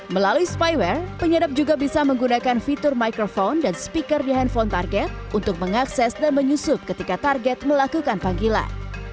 melalui spyware penyadap juga bisa menggunakan fitur microphone dan speaker di handphone target untuk mengakses dan menyusup ketika target melakukan panggilan